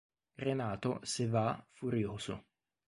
Renato se va, furioso.